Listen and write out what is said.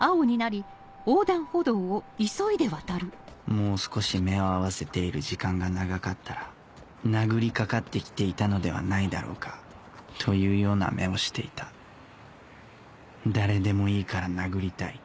もう少し目を合わせている時間が長かったら殴りかかってきていたのではないだろうかというような目をしていた「誰でもいいから殴りたい」